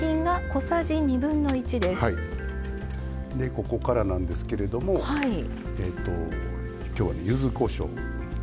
ここからなんですけど今日は、ゆずこしょう。